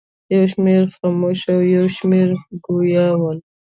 یو شمېر خموش او یو شمېر ګویا ول.